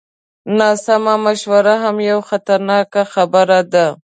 ناسمه مشوره هم یوه خطرناکه خبره ده.